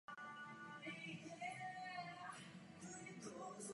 Tento signál je zcela jasný.